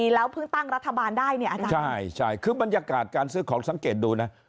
แล้วเพิ่งตั้งรัฐบาลได้เนี่ยอาจารย์ใช่คือบรรยากาศการซื้อของสังเกตดูนะ